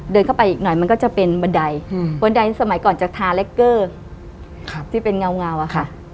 เดินเข้าไปอีกหน่อยมันก็จะเป็นบันไดบันไดสมัยก่อนจะทาแลคเกอร์ที่เป็นเงาอะค่ะ